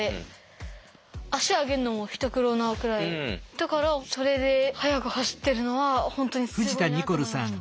だからそれで速く走ってるのは本当にすごいなと思いました。